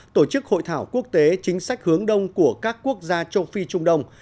tổ chức hội thảo quốc tế chính sách hướng đông của các quốc gia châu phi trung đông